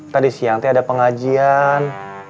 tadi siang ada pengajian